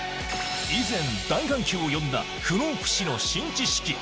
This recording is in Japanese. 以前、大反響を呼んだ不老不死の新知識。